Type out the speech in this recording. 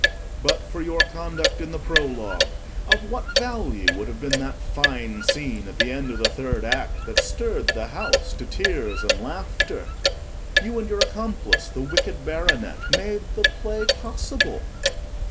But for your conduct in the Prologue, of what value would have been that fine scene at the end of the Third Act, that stirred the house to tears and laughter? You and your accomplice, the Wicked Baronet, made the play possible.